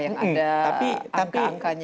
yang ada angka angkanya